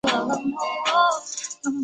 它是鸭嘴兽的最早的亲属。